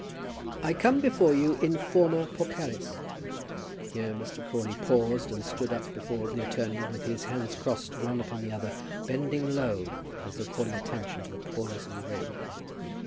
"I come before you in formâ pauperis." Here Mr. Crawley paused and stood up before the attorney with his hands crossed one upon the other, bending low, as though calling attention to the poorness of his raiment.